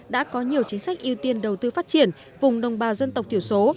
đã có nhiều chính sách ưu tiên đầu tư phát triển vùng đồng bào dân tộc thiểu số